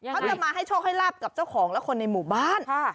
เขาจะมาให้โชคให้ลาบกับเจ้าของและคนในหมู่บ้าน